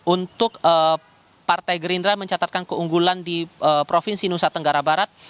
untuk partai gerindra mencatatkan keunggulan di provinsi nusa tenggara barat